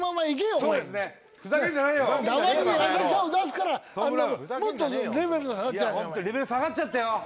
お前ホントレベル下がっちゃったよ